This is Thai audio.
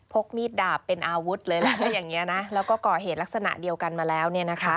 พกมีดดาบเป็นอาวุธเลยแล้วก็ก่อเหตุลักษณะเดียวกันมาแล้ว